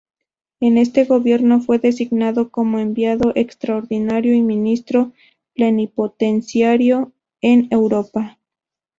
En este gobierno fue designado como Enviado Extraordinario y Ministro Plenipotenciario en Europa.